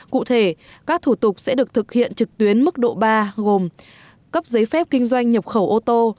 cụ thể các thủ tục sẽ được thực hiện trực tuyến mức độ ba gồm cấp giấy phép kinh doanh nhập khẩu ô tô